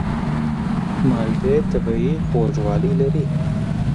مالټې طبیعي خوږوالی لري.